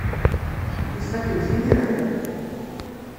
I tfakem-t imir-a?